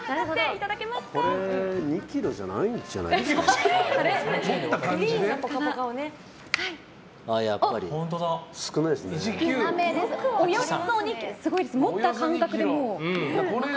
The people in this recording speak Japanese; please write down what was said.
これ２ｋｇじゃないんじゃないですか。